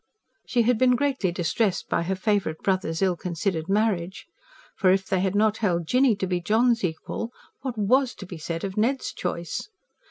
She had been greatly distressed by her favourite brother's ill considered marriage. For, if they had not held Jinny to be John's equal, what WAS to be said of Ned's choice?